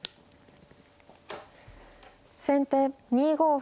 先手２五歩。